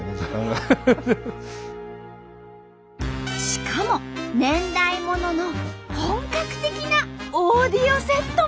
しかも年代物の本格的なオーディオセットも。